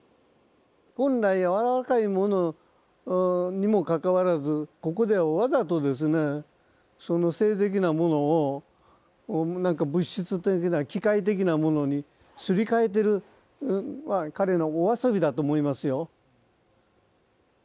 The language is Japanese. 本来柔らかいものにもかかわらずここではわざとですねその性的なものをなんか物質的な機械的なものにすり替えてる彼のお遊びだと思いますよ。